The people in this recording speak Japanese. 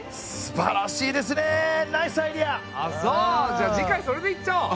じゃあ次回それでいっちゃおう！